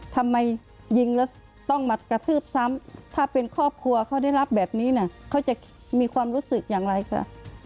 ทำไมยิงแล้วต้องมากระทืบซ้ำถ้าเป็นครอบครัวเขาได้รับแบบนี้นะเขาจะมีความรู้สึกอย่างไรค่ะ